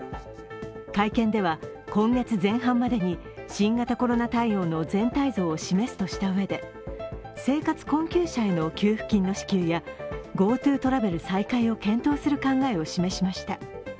会見では、今月前半までに新型コロナ対応の全体像を示すとしたうえで生活困窮者への給付金の支給やＧｏＴｏトラベル再開を検討する考えを示しました。